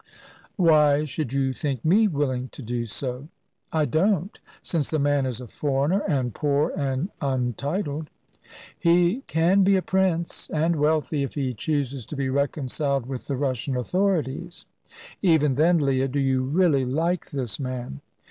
"Why should you think me willing to do so?" "I don't, since the man is a foreigner and poor and untitled." "He can be a prince and wealthy, if he chooses to be reconciled with the Russian authorities." "Even then, Leah, do you really like this man?"